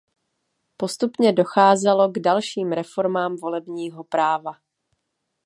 Postupně docházelo k dalším reformám volebního práva.